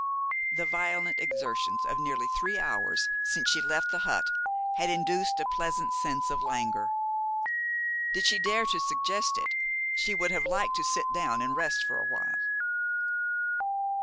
The violent exertions of nearly three hours since she left the hut had induced a pleasant sense of languor. Did she dare to suggest it, she would have liked to sit down and rest for awhile.